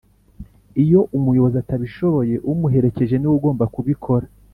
iyo umuyobozi atabishoboye umuherekeje niwe ugomba kubikora